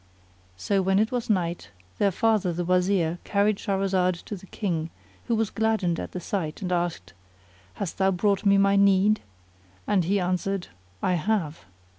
So when it was night their father the Wazir carried Shahrazad to the King who was gladdened at the sight and asked, "Hast thou brought me my need?" and he answered, "I have."